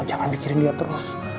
jangan mikirin dia terus